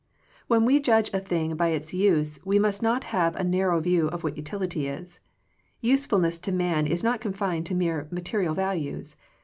When we judge a thing by its use, we must not have a narrow view of what utility is. Usefulness to man is not confined to mere material values.